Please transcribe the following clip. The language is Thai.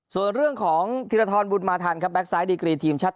ส่วนเรื่องของธีรทรบุญมาทันครับแก๊กซ้ายดีกรีทีมชาติ